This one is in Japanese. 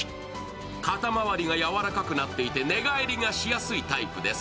肩周りが柔らかくなっていて寝返りがしやすいタイプです。